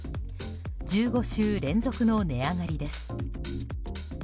１５週連続の値上がりです。